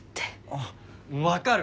あっ分かる。